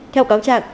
theo cáo trạng